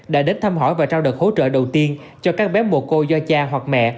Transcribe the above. đã đến thăm hỏi và trao đợt hỗ trợ đầu tiên cho các bé mồ cô do cha hoặc mẹ